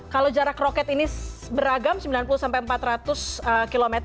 kalau jarak roket ini beragam sembilan puluh sampai empat ratus km